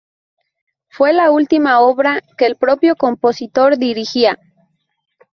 Fue la última obra que el propio compositor dirigiría.